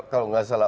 kalau tidak salah